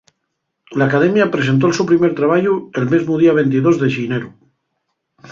L'Academia presentó'l so primer trabayu, el mesmu día ventidós de xineru.